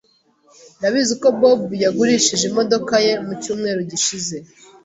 Ndabizi ko Bobo yagurishije imodoka ye mucyumweru gishize.